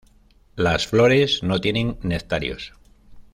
Las flores no tienen nectarios.